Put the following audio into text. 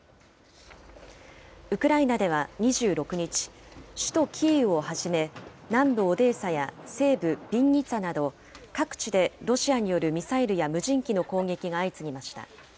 ウクライナでは２６日、首都キーウをはじめ、南部オデーサや、西部ビンニツァなど、各地でロシアによるミサイルや無人機の攻撃が相次ぎました。